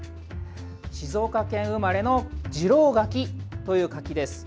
静岡県生まれの次郎柿という柿です。